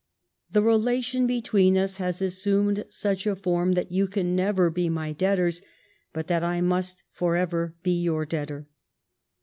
The rela tion between us has assumed such a form that you can never be my debtors, but that I must forever be your debtor."